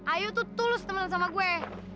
ayu tuh tulus nemenin sama gue